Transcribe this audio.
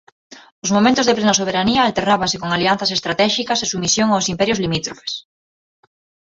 Os momentos de plena soberanía alternábanse con alianzas estratéxicas e submisión aos imperios limítrofes.